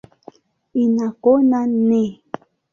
Ina kona nne.